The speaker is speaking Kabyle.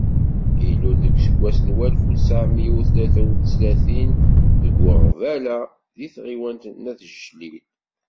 Ilul deg useggas n walef u tesεemya u tlata u tlatin deg Waɣbala, deg tɣiwant n At Jlil.